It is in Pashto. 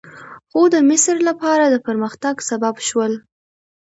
خو د مصر لپاره د پرمختګ سبب شول.